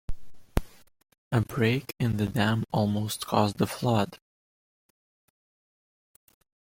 A break in the dam almost caused a flood.